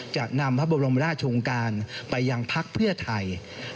จะนำพระบรมราชองค์การไปยังพักเพื่อไทย